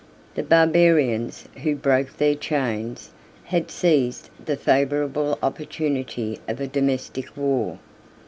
The barbarians, who broke their chains, had seized the favorable opportunity of a domestic war.